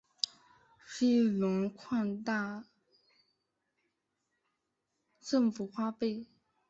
庇隆扩大政府花费。